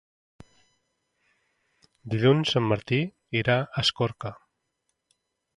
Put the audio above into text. Dilluns en Martí irà a Escorca.